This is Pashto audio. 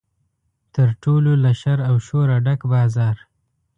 تر ټولو له شر او شوره ډک بازار.